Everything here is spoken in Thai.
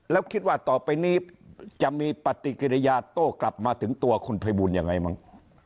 แล้วคิดว่าต่อไปนี้จะมีปฏิกิริยาโต้กลับมาถึงตัวคุณภัยบูลยังไงมั้ง